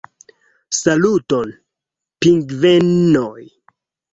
Saluton, pingvenoj!